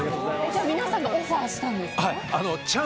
皆さんがオファーしたんですか？